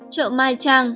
chợ mai trang